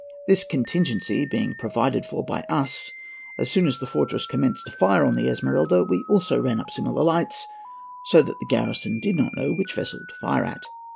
This contingency being provided for by us, as soon as the fortress commenced its fire on the Esmeralda, we also ran up similar lights, so that the garrison did not know which vessel to fire at.